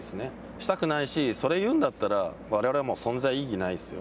したくないし、それ言うんだったらわれわれは存在意義はないですよ。